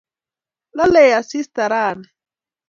lalei asista ranii